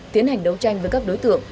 tiến hành đấu tranh với các đối tượng